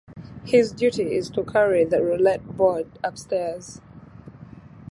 His duty is to carry the roulette board upstairs.